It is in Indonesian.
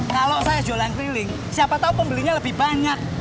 kalau saya jualan keliling siapa tahu pembelinya lebih banyak